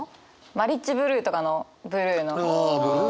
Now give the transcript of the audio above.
マリッジブルーとかのブルーの意味合いで。